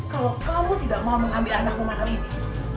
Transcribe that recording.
kalau kamu tidak mau mengambil anakku malam ini